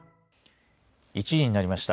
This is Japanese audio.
１時になりました。